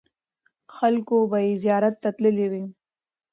خلکو به یې زیارت ته تللي وي.